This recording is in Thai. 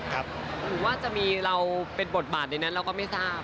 หรือว่าจะมีเราเป็นบทบาทในนั้นเราก็ไม่ทราบ